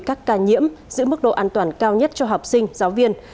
các ca nhiễm giữ mức độ an toàn cao nhất cho học sinh giáo viên